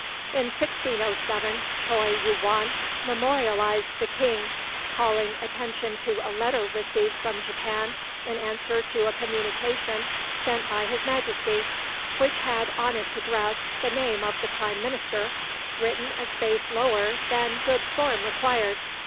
In 1607 Choi Yu won memorialized the King, calling attention to a letter received from Japan in answer to a communication sent by his Majesty, which had on its address the name of the Prime Minister, written a space lower than good form required.